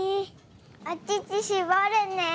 おちちしぼるね。